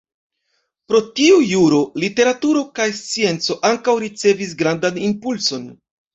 Pro tio juro, literaturo kaj scienco ankaŭ ricevis grandan impulson.